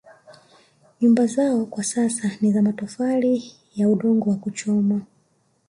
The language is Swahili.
Nyumba zao kwa sasa ni za matofali ya udongo ya kuchoma